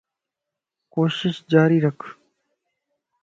ڪوشش جاري رک